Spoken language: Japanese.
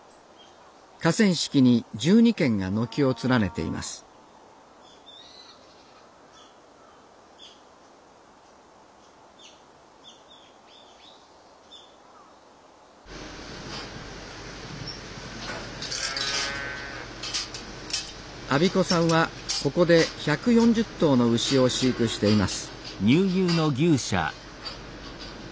河川敷に１２軒が軒を連ねています安孫子さんはここで１４０頭の牛を飼育しています